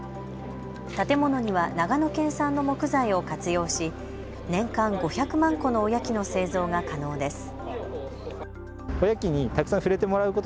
建物には長野県産の木材を活用し年間５００万個のおやきの製造が可能です。